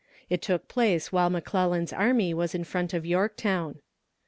It took place while McClellan's army was in front of Yorktown.